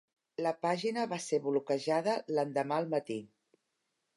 La pàgina va ser bloquejada l'endemà al matí.